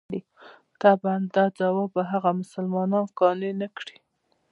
طبعاً دا ځواب به هغه مسلمانان قانع نه کړي.